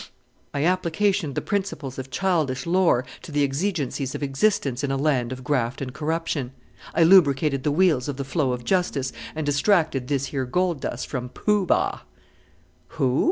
"I applicationed the principles of childish lore to the exigencies of existence in a land of graft and corruption; I lubricated the wheels of the flow of justice and distracted this here gold dust from Poo Bah." "Who?"